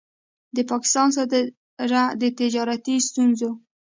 د پاکستان سره د تجارتي ستونځو